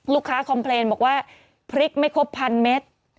ลูกค้าคอมเพรนบอกว่าพริกไม่ครบ๑๐๐๐เมตร